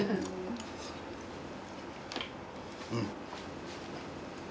うん。